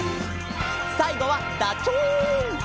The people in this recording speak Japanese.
さいごはダチョウ！